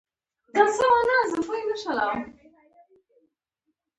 کلا وه، چې برجونه یې وران شوي و.